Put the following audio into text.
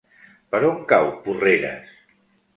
Per on cau Porreres?